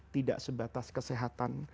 tidak sebatas kesehatan